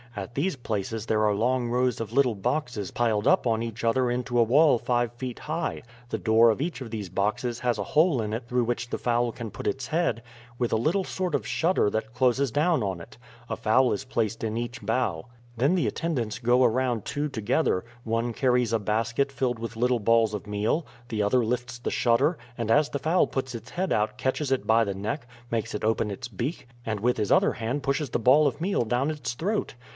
At these places there are long rows of little boxes piled up on each other into a wall five feet high. The door of each of these boxes has a hole in it through which the fowl can put its head, with a little sort of shutter that closes down on it. A fowl is placed in each box. Then the attendants go around two together; one carries a basket filled with little balls of meal, the other lifts the shutter, and as the fowl puts its head out catches it by the neck, makes it open its beak, and with his other hand pushes the ball of meal down its throat.